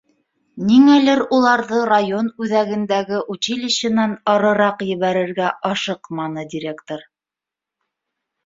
Ниңәлер уларҙы район үҙәгендәге училищенан арыраҡ ебәрергә ашыҡманы директор.